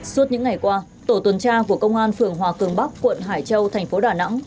suốt những ngày qua tổ tuần tra của công an phường hòa cường bắc quận hải châu thành phố đà nẵng